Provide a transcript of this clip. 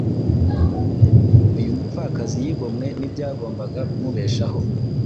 uyu mupfakazi yigomwe n’ibyagombaga kumubeshaho